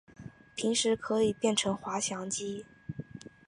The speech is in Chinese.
平时可以变成滑翔机。